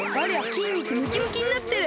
きんにくムキムキになってる！